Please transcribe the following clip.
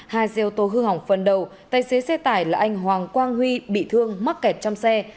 hai xe ô tô hư hỏng phần đầu tài xế xe tải là anh hoàng quang huy bị thương mắc kẹt trong xe